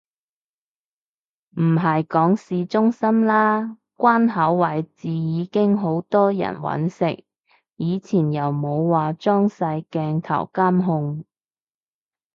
唔係講市中心啦，關口位置已經好多人搵食，以前又冇話裝晒鏡頭監控